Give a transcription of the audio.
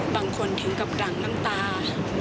บางคนถึงกำกลับหลังน้ำตา